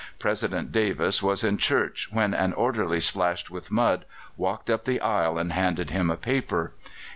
President Davis was in church when an orderly, splashed with mud, walked up the aisle and handed him a paper.